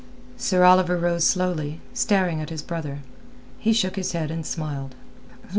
Sir Oliver rose slowly, staring at his brother. He shook his head and smiled.